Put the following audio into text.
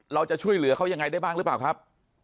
เราจะช่วยเหลือเขายังไงได้บ้างหรือเปล่าครับ